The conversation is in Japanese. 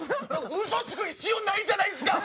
ウソつく必要ないじゃないですか！